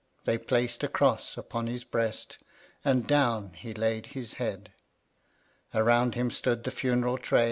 They placed a cross upon his breast, O And down he laid his head ; Around him stood the funeral train.